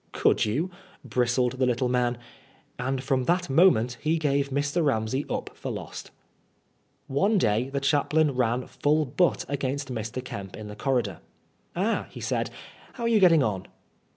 " Could you ?" bristled the little man. And from that moment he gave Mr. Ramsey up for lost. One day the chaplain ran full butt against Mr. Kemp in the corridor. "Ah," he said, "how are you getting on